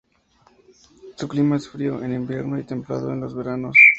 Su clima es frío en invierno y templado en los veranos.